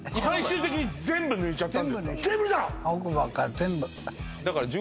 最終的に全部抜いちゃったんですか？